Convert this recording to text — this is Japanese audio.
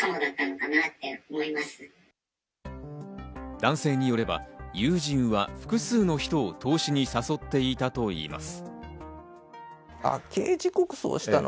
男性によれば、友人は複数の人を投資に誘っていたといいます。